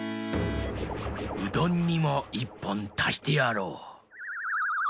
うどんにも１ぽんたしてやろう。